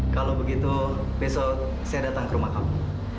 kalau begitu besok saya datang ke rumah kamu